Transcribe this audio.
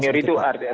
senior itu artinya